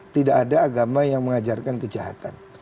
tidak ada agama yang mengajarkan kejahatan